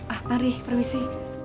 ah mari permisi